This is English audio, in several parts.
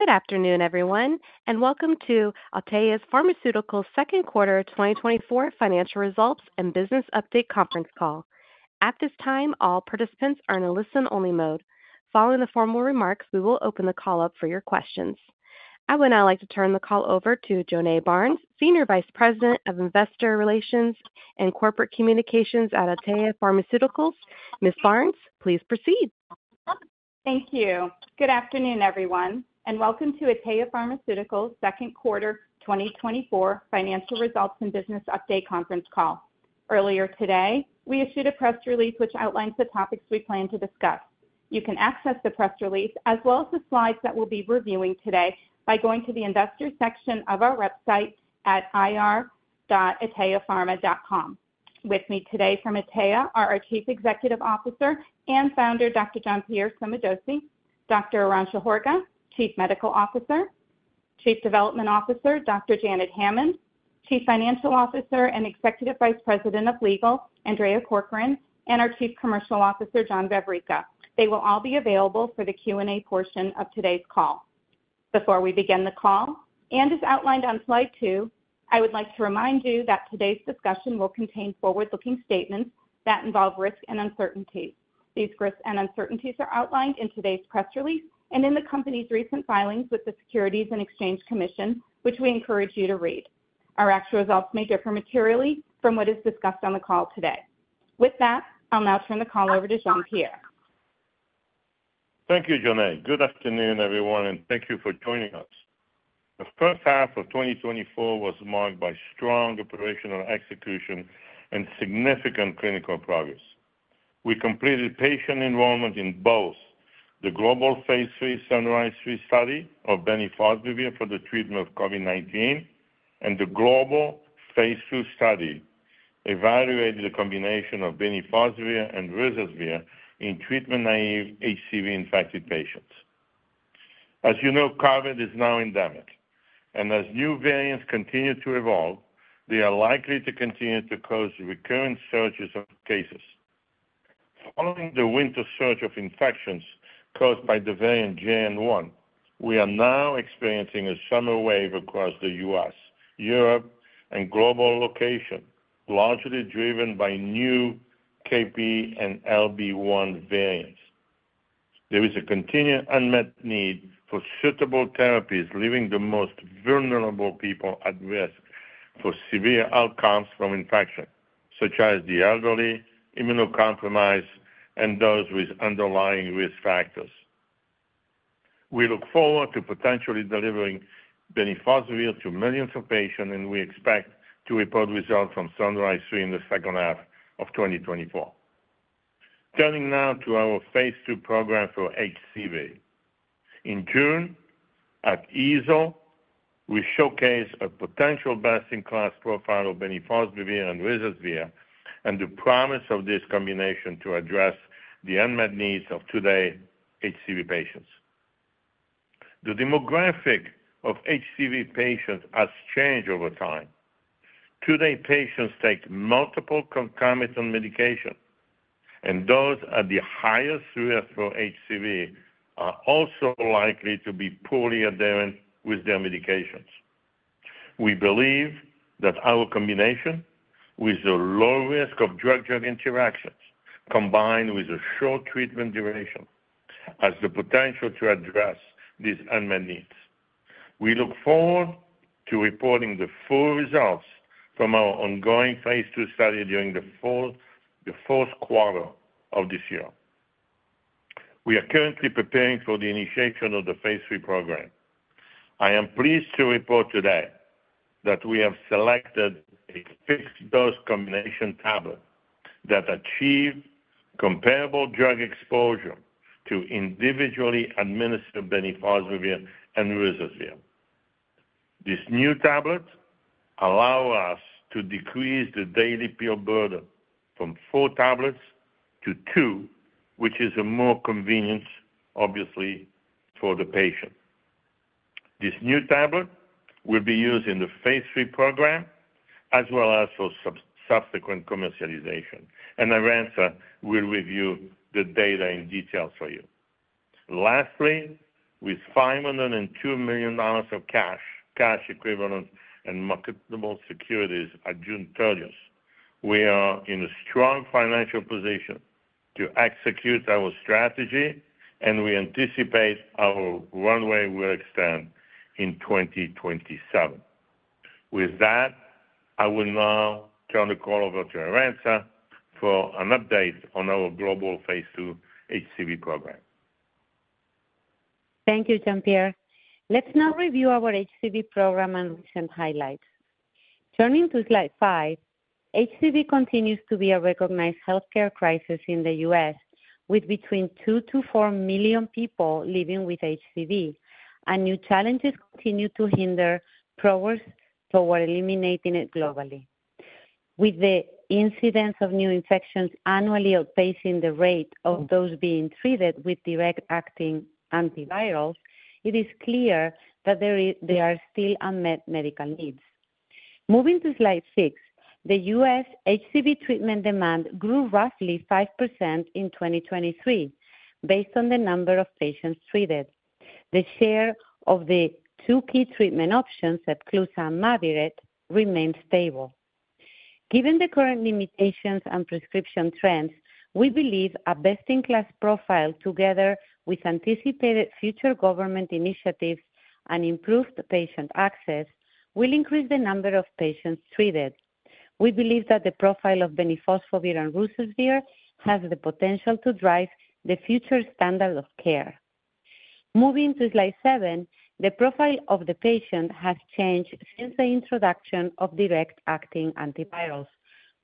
Good afternoon, everyone, and welcome to Atea Pharmaceuticals' Second Quarter 2024 Financial Results and Business Update Conference Call. At this time, all participants are in a listen-only mode. Following the formal remarks, we will open the call up for your questions. I would now like to turn the call over to Jonae Barnes, Senior Vice President of Investor Relations and Corporate Communications at Atea Pharmaceuticals. Ms. Barnes, please proceed. Thank you. Good afternoon, everyone, and welcome to Atea Pharmaceuticals' second quarter 2024 financial results and business update conference call. Earlier today, we issued a press release which outlines the topics we plan to discuss. You can access the press release, as well as the slides that we'll be reviewing today, by going to the investor section of our website at ir.ateapharma.com. With me today from Atea are our Chief Executive Officer and Founder, Dr. Jean-Pierre Sommadossi, Dr. Arantxa Horga, Chief Medical Officer, Chief Development Officer, Dr. Janet Hammond, Chief Financial Officer and Executive Vice President of Legal, Andrea Corcoran, and our Chief Commercial Officer, John Vavricka. They will all be available for the Q&A portion of today's call. Before we begin the call, and as outlined on slide 2, I would like to remind you that today's discussion will contain forward-looking statements that involve risk and uncertainty. These risks and uncertainties are outlined in today's press release and in the company's recent filings with the Securities and Exchange Commission, which we encourage you to read. Our actual results may differ materially from what is discussed on the call today. With that, I'll now turn the call over to Jean-Pierre. Thank you, Jonae. Good afternoon, everyone, and thank you for joining us. The first half of 2024 was marked by strong operational execution and significant clinical progress. We completed patient enrollment in both the global phase III SUNRISE-3 study of bemnifosbuvir for the treatment of COVID-19 and the global phase II study, evaluating the combination of bemnifosbuvir and ruzasvir in treatment-naive HCV-infected patients. As you know, COVID is now endemic, and as new variants continue to evolve, they are likely to continue to cause recurring surges of cases. Following the winter surge of infections caused by the variant JN.1, we are now experiencing a summer wave across the U.S., Europe, and global location, largely driven by new KP and LB.1 variants. There is a continued unmet need for suitable therapies, leaving the most vulnerable people at risk for severe outcomes from infection, such as the elderly, immunocompromised, and those with underlying risk factors. We look forward to potentially delivering bemnifosbuvir to millions of patients, and we expect to report results from SUNRISE-3 in the second half of 2024. Turning now to our phase II program for HCV. In June, at EASL, we showcased a potential best-in-class profile of bemnifosbuvir and ruzasvir, and the promise of this combination to address the unmet needs of today's HCV patients. The demographic of HCV patients has changed over time. Today, patients take multiple concomitant medications, and those at the highest risk for HCV are also likely to be poorly adherent with their medications. We believe that our combination with a low risk of drug-drug interactions, combined with a short treatment duration, has the potential to address these unmet needs. We look forward to reporting the full results from our ongoing phase II study during the fall, the fourth quarter of this year. We are currently preparing for the initiation of the phase III program. I am pleased to report today that we have selected a fixed-dose combination tablet that achieves comparable drug exposure to individually administered bemnifosbuvir and ruzasvir. This new tablet allows us to decrease the daily pill burden from four tablets to two, which is more convenient, obviously, for the patient. This new tablet will be used in the phase III program, as well as for subsequent commercialization, and Arantxa will review the data in detail for you. Lastly, with $502 million of cash, cash equivalent, and marketable securities at June 30th, we are in a strong financial position to execute our strategy, and we anticipate our runway will extend in 2027. With that, I will now turn the call over to Arantxa for an update on our global phase II HCV program. Thank you, Jean-Pierre. Let's now review our HCV program and recent highlights. Turning to slide 5, HCV continues to be a recognized healthcare crisis in the US, with between 2-4 million people living with HCV, and new challenges continue to hinder progress toward eliminating it globally. With the incidence of new infections annually outpacing the rate of those being treated with direct-acting antivirals, it is clear that there are still unmet medical needs. Moving to slide 6, the US HCV treatment demand grew roughly 5% in 2023, based on the number of patients treated. The share of the two key treatment options, Epclusa and Mavyret, remained stable. Given the current limitations and prescription trends, we believe a best-in-class profile, together with anticipated future government initiatives and improved patient access, will increase the number of patients treated. We believe that the profile of bemnifosbuvir and ruzasvir has the potential to drive the future standard of care. Moving to slide 7, the profile of the patient has changed since the introduction of direct-acting antivirals.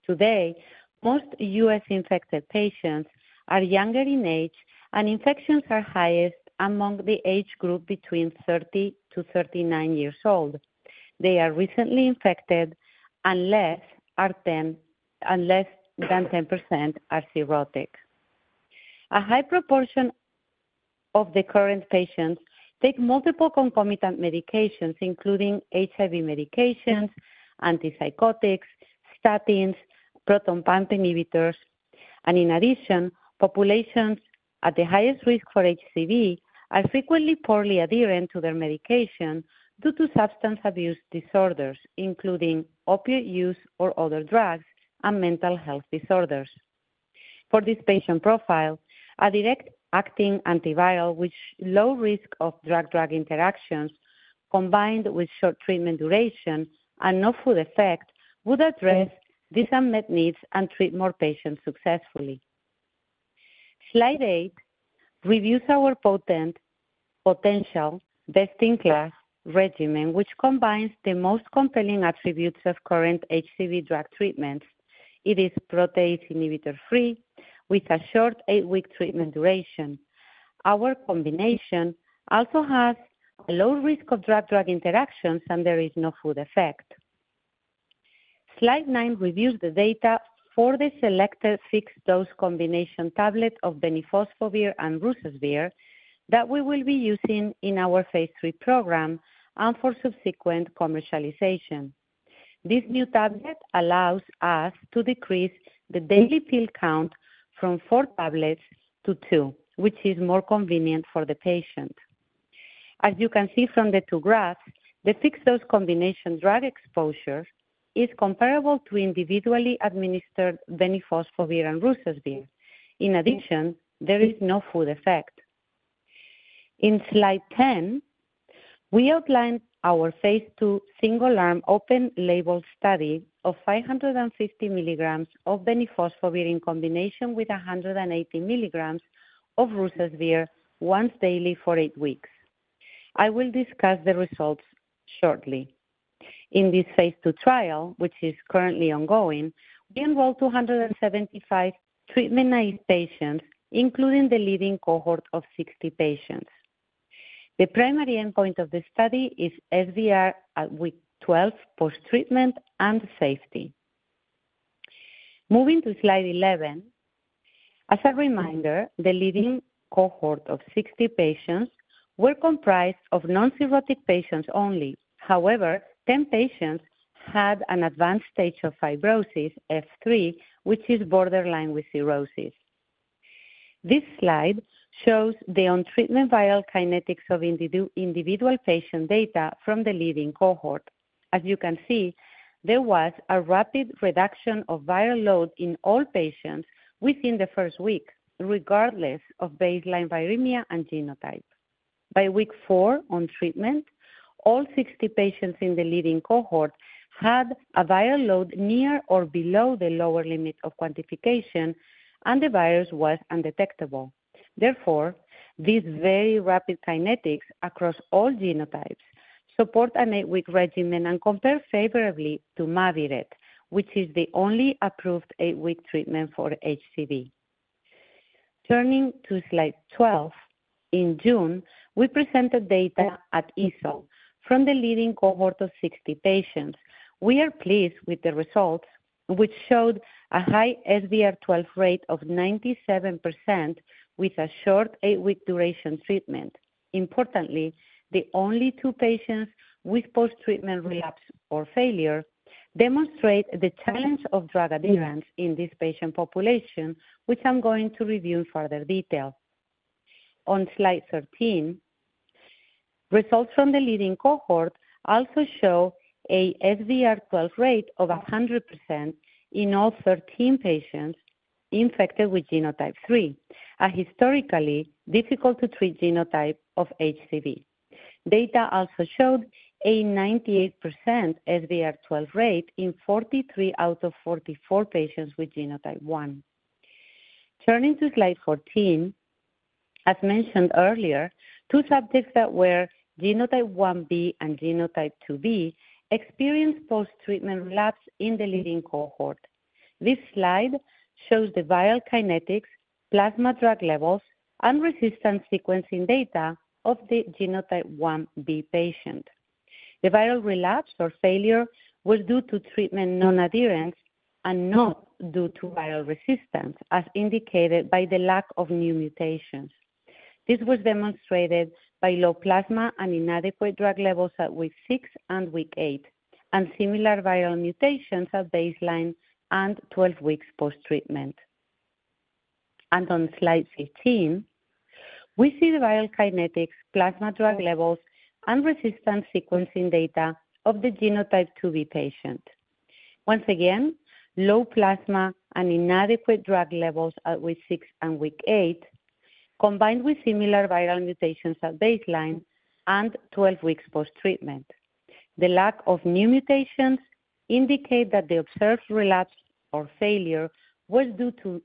Today, most US infected patients are younger in age, and infections are highest among the age group between 30 to 39 years old. They are recently infected, and less than 10% are cirrhotic. A high proportion of the current patients take multiple concomitant medications, including HIV medications, antipsychotics, statins, proton pump inhibitors. In addition, populations at the highest risk for HCV are frequently poorly adherent to their medication due to substance abuse disorders, including opiate use or other drugs, and mental health disorders. For this patient profile, a direct-acting antiviral with low risk of drug-drug interactions, combined with short treatment duration and no food effect, would address these unmet needs and treat more patients successfully. Slide 8 reviews our potential best-in-class regimen, which combines the most compelling attributes of current HCV drug treatments. It is protease inhibitor-free, with a short 8-week treatment duration. Our combination also has a low risk of drug-drug interactions, and there is no food effect. Slide 9 reviews the data for the selected fixed-dose combination tablet of bemnifosbuvir and ruzasvir that we will be using in our phase III program and for subsequent commercialization. This new tablet allows us to decrease the daily pill count from 4 tablets to 2, which is more convenient for the patient. As you can see from the 2 graphs, the fixed-dose combination drug exposure is comparable to individually administered bemnifosbuvir and ruzasvir. In addition, there is no food effect. In slide 10, we outlined our phase II single-arm open label study of 550 milligrams of bemnifosbuvir in combination with 180 milligrams of ruzasvir, once daily for 8 weeks. I will discuss the results shortly. In this phase II trial, which is currently ongoing, we enrolled 275 treatment naive patients, including the lead-in cohort of 60 patients. The primary endpoint of the study is SVR at week 12 post-treatment and safety. Moving to slide 11. As a reminder, the lead-in cohort of 60 patients were comprised of non-cirrhotic patients only. However, 10 patients had an advanced stage of fibrosis, F3, which is borderline with cirrhosis. This slide shows the on-treatment viral kinetics of individual patient data from the lead-in cohort. As you can see, there was a rapid reduction of viral load in all patients within the first week, regardless of baseline viremia and genotype. By week 4 on treatment, all 60 patients in the lead-in cohort had a viral load near or below the lower limit of quantification, and the virus was undetectable. Therefore, these very rapid kinetics across all genotypes support an 8-week regimen and compare favorably to Mavyret, which is the only approved 8-week treatment for HCV. Turning to slide 12, in June, we presented data at EASL from the lead-in cohort of 60 patients. We are pleased with the results, which showed a high SVR12 rate of 97%, with a short 8-week duration treatment. Importantly, the only 2 patients with post-treatment relapse or failure demonstrate the challenge of drug adherence in this patient population, which I'm going to review in further detail. On slide 13, results from the lead-in cohort also show a SVR12 rate of 100% in all 13 patients infected with genotype 3, a historically difficult-to-treat genotype of HCV. Data also showed a 98% SVR12 rate in 43 out of 44 patients with genotype 1. Turning to slide 14, as mentioned earlier, 2 subjects that were genotype 1b and genotype 2b, experienced post-treatment relapse in the lead-in cohort. This slide shows the viral kinetics, plasma drug levels, and resistance sequencing data of the genotype 1b patient. The viral relapse or failure was due to treatment non-adherence and not due to viral resistance, as indicated by the lack of new mutations... This was demonstrated by low plasma and inadequate drug levels at week 6 and week 8, and similar viral mutations at baseline and 12 weeks post-treatment. On Slide 15, we see the viral kinetics, plasma drug levels, and resistance sequencing data of the genotype 2b patient. Once again, low plasma and inadequate drug levels at week 6 and week 8, combined with similar viral mutations at baseline and 12 weeks post-treatment. The lack of new mutations indicate that the observed relapse or failure was due to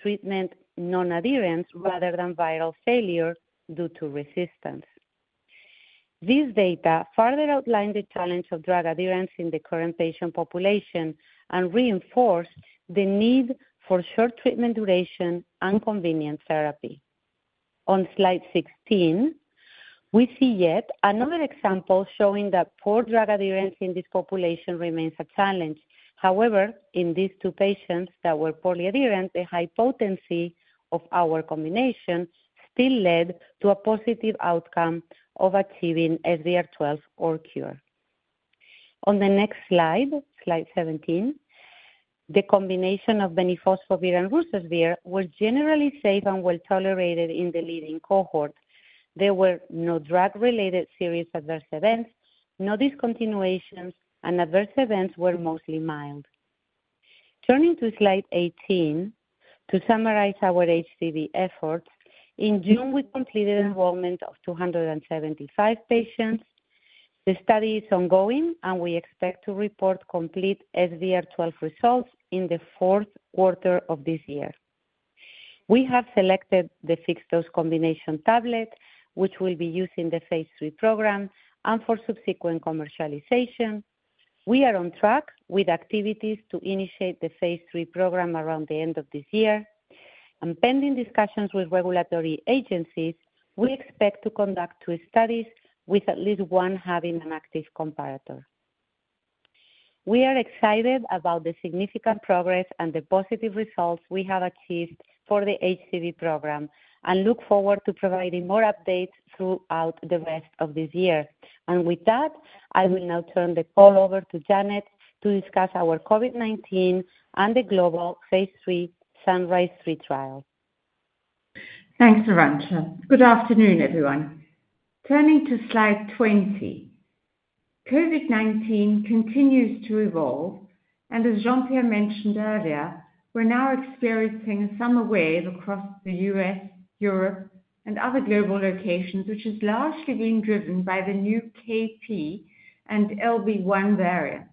treatment non-adherence rather than viral failure due to resistance. These data further outline the challenge of drug adherence in the current patient population and reinforce the need for short treatment duration and convenient therapy. On Slide 16, we see yet another example showing that poor drug adherence in this population remains a challenge. However, in these two patients that were poorly adherent, the high potency of our combination still led to a positive outcome of achieving SVR12 or cure. On the next slide, slide 17, the combination of bemnifosbuvir and ruzasvir was generally safe and well tolerated in the lead-in cohort. There were no drug-related serious adverse events, no discontinuations, and adverse events were mostly mild. Turning to slide 18, to summarize our HCV effort, in June, we completed enrollment of 275 patients. The study is ongoing, and we expect to report complete SVR12 results in the fourth quarter of this year. We have selected the fixed-dose combination tablet, which will be used in the phase III program and for subsequent commercialization. We are on track with activities to initiate the phase III program around the end of this year. Pending discussions with regulatory agencies, we expect to conduct two studies with at least one having an active comparator. We are excited about the significant progress and the positive results we have achieved for the HCV program, and look forward to providing more updates throughout the rest of this year. With that, I will now turn the call over to Janet to discuss our COVID-19 and the global phase III SUNRISE 3 trial. Thanks, Arantxa. Good afternoon, everyone. Turning to slide 20, COVID-19 continues to evolve, and as Jean-Pierre mentioned earlier, we're now experiencing a summer wave across the U.S., Europe, and other global locations, which is largely being driven by the new KP and LB.1 variants.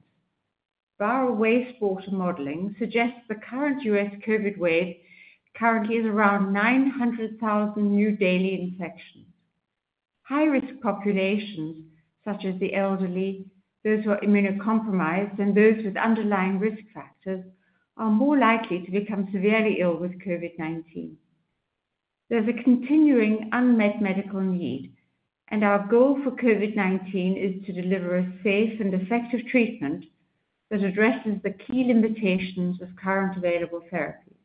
Viral wastewater modeling suggests the current U.S. COVID wave currently is around 900,000 new daily infections. High-risk populations, such as the elderly, those who are immunocompromised, and those with underlying risk factors, are more likely to become severely ill with COVID-19. There's a continuing unmet medical need, and our goal for COVID-19 is to deliver a safe and effective treatment that addresses the key limitations of current available therapies.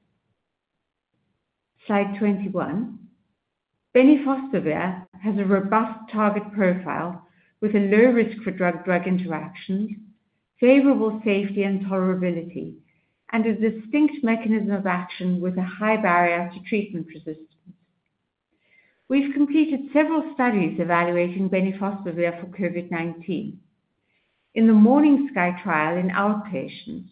Slide 21. Bemnifosbuvir has a robust target profile with a low risk for drug-drug interactions, favorable safety and tolerability, and a distinct mechanism of action with a high barrier to treatment resistance. We've completed several studies evaluating bemnifosbuvir for COVID-19. In the MORNINGSKY trial in outpatients,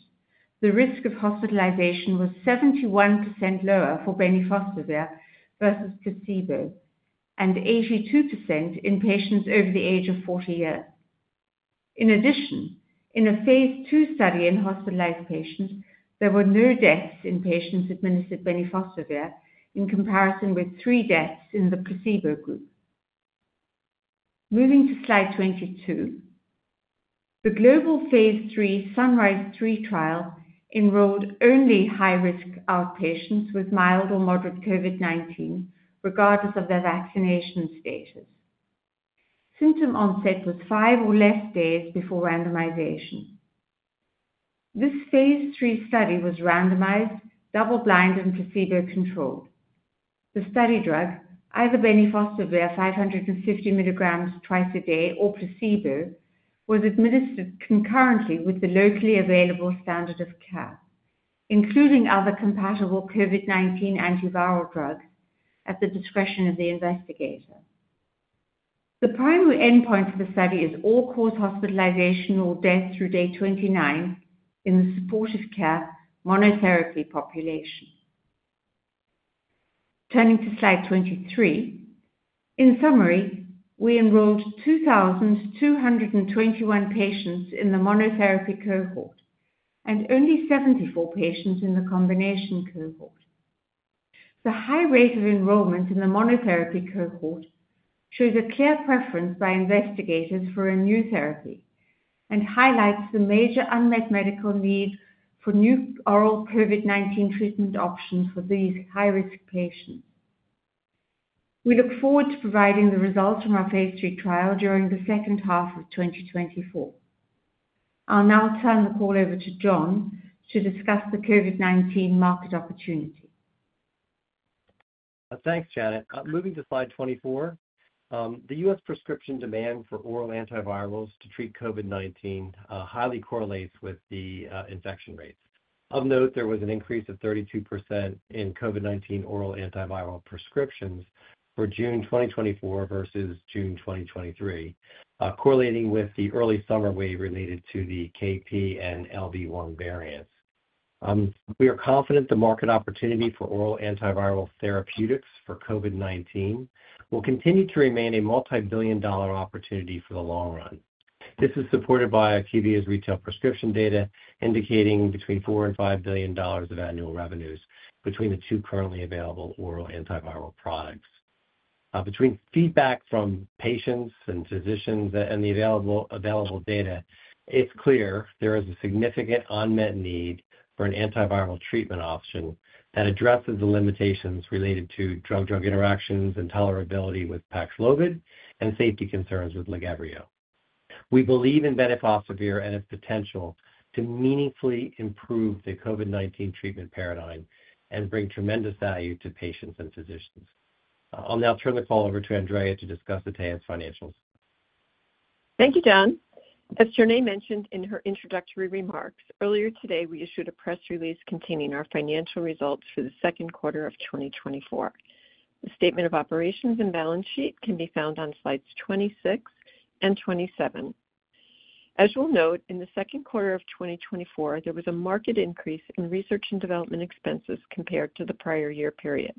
the risk of hospitalization was 71% lower for bemnifosbuvir versus placebo, and 82% in patients over the age of 40 years. In addition, in a phase II study in hospitalized patients, there were no deaths in patients administered bemnifosbuvir, in comparison with 3 deaths in the placebo group. Moving to slide 22, the global phase III SUNRISE-3 trial enrolled only high-risk outpatients with mild or moderate COVID-19, regardless of their vaccination status. Symptom onset was 5 or less days before randomization. This phase III study was randomized, double-blind, and placebo-controlled. The study drug, either bemnifosbuvir 550 mg twice a day or placebo, was administered concurrently with the locally available standard of care, including other compatible COVID-19 antiviral drugs at the discretion of the investigator. The primary endpoint for the study is all-cause hospitalization or death through day 29 in the supportive care monotherapy population. Turning to slide 23. In summary, we enrolled 2,221 patients in the monotherapy cohort and only 74 patients in the combination cohort. The high rate of enrollment in the monotherapy cohort shows a clear preference by investigators for a new therapy and highlights the major unmet medical need for new oral COVID-19 treatment options for these high-risk patients. We look forward to providing the results from our phase III trial during the second half of 2024. I'll now turn the call over to John to discuss the COVID-19 market opportunity. Thanks, Janet. Moving to slide 24, the U.S. prescription demand for oral antivirals to treat COVID-19 highly correlates with the infection rates. Of note, there was an increase of 32% in COVID-19 oral antiviral prescriptions for June 2024 versus June 2023, correlating with the early summer wave related to the KP and LB.1 variants. We are confident the market opportunity for oral antiviral therapeutics for COVID-19 will continue to remain a multibillion-dollar opportunity for the long run. This is supported by IQVIA's retail prescription data, indicating between $4 billion and $5 billion of annual revenues between the two currently available oral antiviral products. Between feedback from patients and physicians and the available data, it's clear there is a significant unmet need for an antiviral treatment option that addresses the limitations related to drug-drug interactions and tolerability with Paxlovid and safety concerns with Lagivrio. We believe in bemnifosbuvir and its potential to meaningfully improve the COVID-19 treatment paradigm and bring tremendous value to patients and physicians. I'll now turn the call over to Andrea to discuss Atea's financials. Thank you, John. As Janet mentioned in her introductory remarks, earlier today, we issued a press release containing our financial results for the second quarter of 2024. The statement of operations and balance sheet can be found on slides 26 and 27. As you'll note, in the second quarter of 2024, there was a marked increase in research and development expenses compared to the prior year period.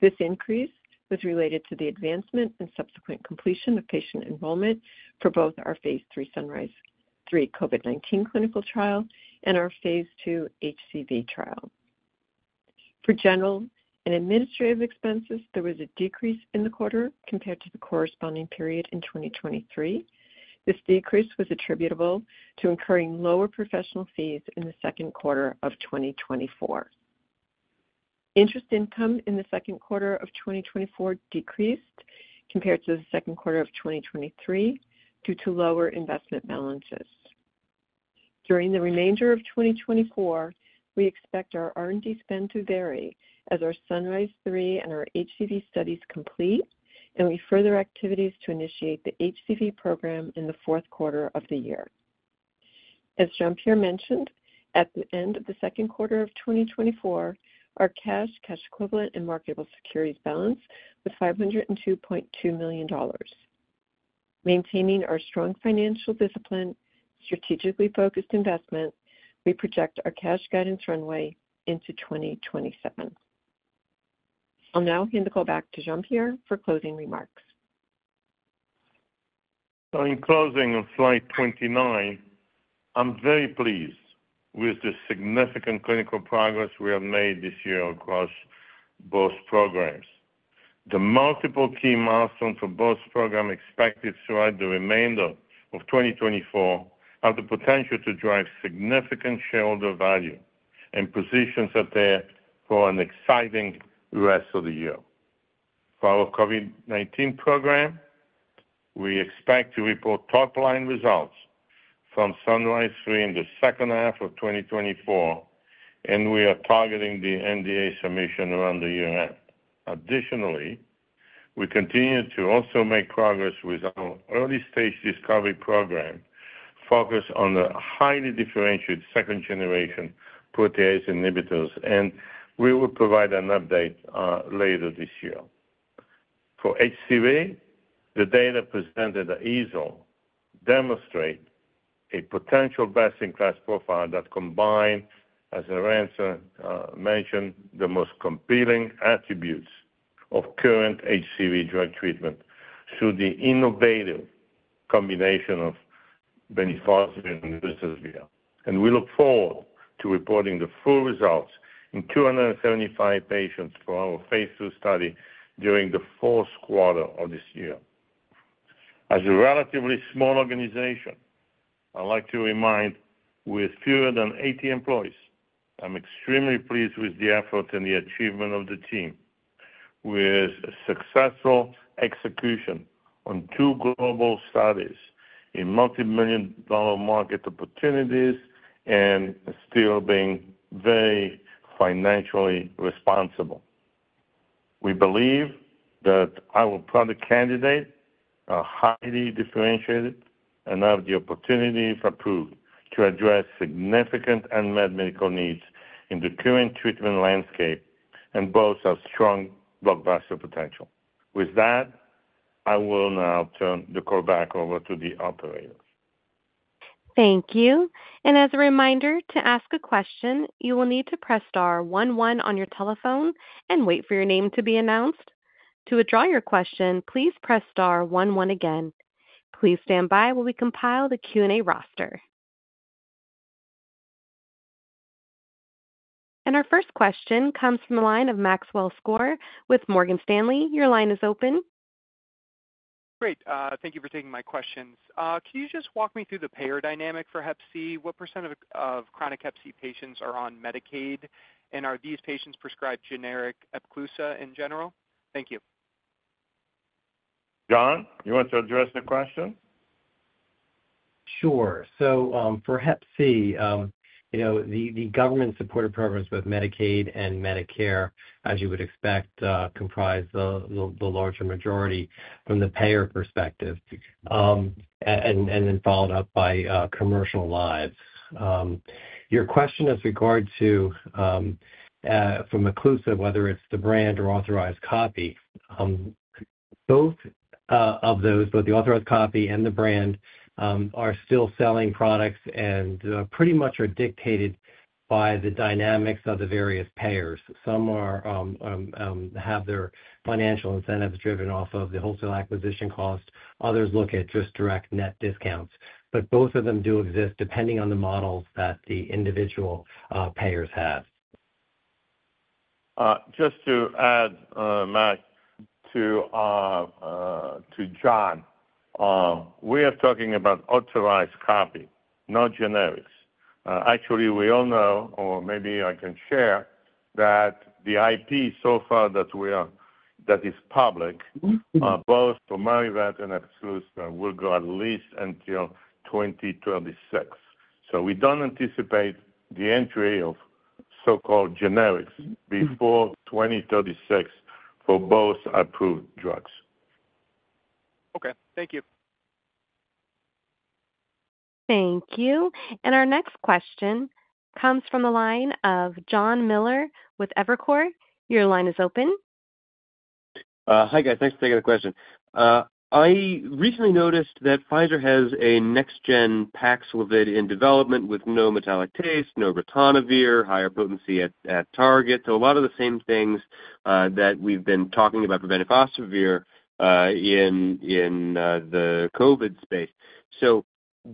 This increase was related to the advancement and subsequent completion of patient enrollment for both our phase III SUNRISE-3 COVID-19 clinical trial and our phase II HCV trial. For general and administrative expenses, there was a decrease in the quarter compared to the corresponding period in 2023. This decrease was attributable to incurring lower professional fees in the second quarter of 2024. Interest income in the second quarter of 2024 decreased compared to the second quarter of 2023 due to lower investment balances. During the remainder of 2024, we expect our R&D spend to vary as our SUNRISE-3 and our HCV studies complete, and we further activities to initiate the HCV program in the fourth quarter of the year. As Jean-Pierre mentioned, at the end of the second quarter of 2024, our cash, cash equivalent, and marketable securities balance was $502.2 million. Maintaining our strong financial discipline, strategically focused investment, we project our cash guidance runway into 2027. I'll now hand the call back to Jean-Pierre for closing remarks. In closing on slide 29, I'm very pleased with the significant clinical progress we have made this year across both programs. The multiple key milestones for both program expected throughout the remainder of 2024 have the potential to drive significant shareholder value and positions Atea for an exciting rest of the year. For our COVID-19 program, we expect to report top-line results from SUNRISE-3 in the second half of 2024, and we are targeting the NDA submission around the year-end. Additionally, we continue to also make progress with our early-stage discovery program, focused on the highly differentiated second-generation protease inhibitors, and we will provide an update later this year. For HCV, the data presented at EASL demonstrate a potential best-in-class profile that combined, as Arantxa mentioned, the most compelling attributes of current HCV drug treatment through the innovative combination of bemnifosbuvir and ruzasvir. We look forward to reporting the full results in 275 patients for our phase II study during the fourth quarter of this year. As a relatively small organization, I'd like to remind with fewer than 80 employees, I'm extremely pleased with the effort and the achievement of the team. With successful execution on 2 global studies in multimillion-dollar market opportunities and still being very financially responsible. We believe that our product candidates are highly differentiated and have the opportunity, if approved, to address significant unmet medical needs in the current treatment landscape, and both have strong blockbuster potential. With that, I will now turn the call back over to the operator. Thank you. As a reminder, to ask a question, you will need to press star one one on your telephone and wait for your name to be announced. To withdraw your question, please press star one one again. Please stand by while we compile the Q&A roster. Our first question comes from the line of Maxwell Skor with Morgan Stanley. Your line is open. Great, thank you for taking my questions. Can you just walk me through the payer dynamic for hep C? What % of chronic hep C patients are on Medicaid, and are these patients prescribed generic Epclusa in general? Thank you. John, you want to address the question? Sure. So, for Hep C, you know, the government-supported programs with Medicaid and Medicare, as you would expect, comprise the larger majority from the payer perspective. And then followed up by commercial lives. Your question as regard to from Epclusa, whether it's the brand or authorized copy, both of those, both the authorized copy and the brand, are still selling products and pretty much are dictated by the dynamics of the various payers. Some have their financial incentives driven off of the wholesale acquisition cost. Others look at just direct net discounts, but both of them do exist, depending on the models that the individual payers have. Just to add, Matt, to John, we are talking about authorized copy, not generics. Actually, we all know, or maybe I can share, that the IP so far that is public. Both for Mavyret and Epclusa, will go at least until 2036. So we don't anticipate the entry of so-called generics before 2036 for both approved drugs. Okay, thank you. Thank you. And our next question comes from the line of Jonathan Miller with Evercore. Your line is open. Hi, guys. Thanks for taking the question. I recently noticed that Pfizer has a next gen Paxlovid in development with no metallic taste, no ritonavir, higher potency at target. So a lot of the same things that we've been talking about preventive Paxlovid in the COVID space. So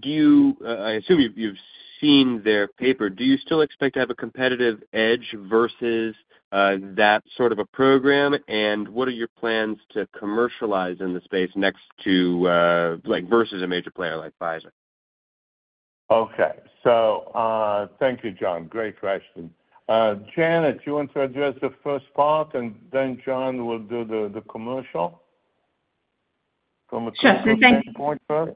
do you... I assume you've seen their paper. Do you still expect to have a competitive edge versus that sort of a program? And what are your plans to commercialize in the space next to, like, versus a major player like Pfizer? Okay. So, thank you, John. Great question. Janet, you want to address the first part, and then John will do the commercial? From a commercial standpoint first.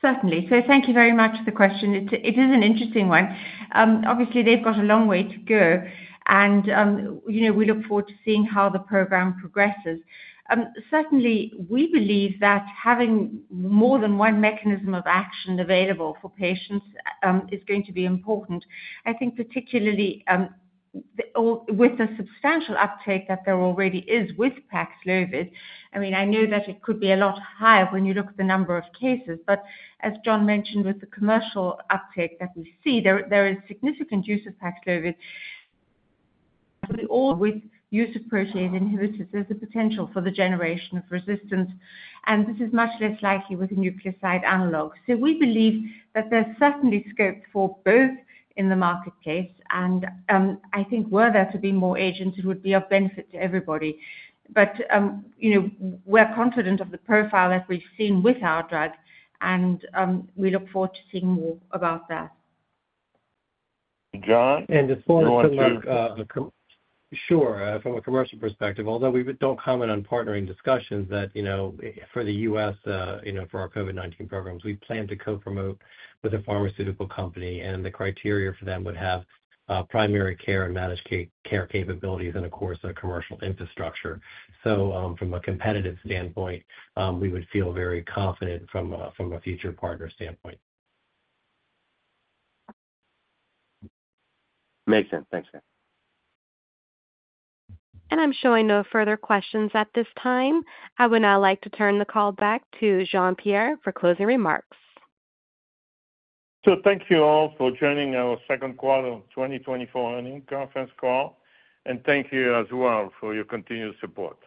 Certainly. So thank you very much for the question. It is an interesting one. Obviously, they've got a long way to go, and, you know, we look forward to seeing how the program progresses. Certainly, we believe that having more than one mechanism of action available for patients is going to be important. I think particularly, or with the substantial uptake that there already is with Paxlovid, I mean, I know that it could be a lot higher when you look at the number of cases, but as John mentioned, with the commercial uptake that we see, there is significant use of Paxlovid. So we all, with use of protease inhibitors, there's a potential for the generation of resistance, and this is much less likely with a nucleoside analog. So we believe that there's certainly scope for both in the market case, and I think were there to be more agents, it would be of benefit to everybody. But you know, we're confident of the profile that we've seen with our drug, and we look forward to seeing more about that. John, you want to. Just want to look from a commercial perspective, although we don't comment on partnering discussions that, you know, for the U.S., you know, for our COVID-19 programs, we plan to co-promote with a pharmaceutical company, and the criteria for them would have primary care and managed care capabilities and, of course, a commercial infrastructure. So, from a competitive standpoint, we would feel very confident from a future partner standpoint. Makes sense. Thanks, guys. I'm showing no further questions at this time. I would now like to turn the call back to Jean-Pierre for closing remarks. Thank you all for joining our second quarter of 2024 earnings conference call, and thank you as well for your continued support.